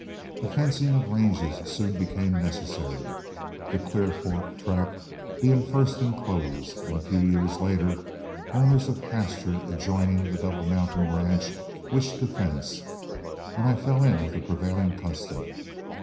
The fencing of ranges soon became necessary, the Clear Fork tract being first inclosed, and a few years later owners of pastures adjoining the Double Mountain ranch wished to fence, and I fell in with the prevailing custom.